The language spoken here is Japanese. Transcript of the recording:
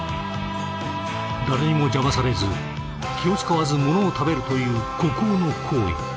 誰にも邪魔されず気を遣わずものを食べるという孤高の行為。